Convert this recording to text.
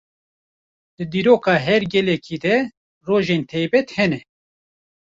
Di dîroka her gelekî de rojên taybet hene.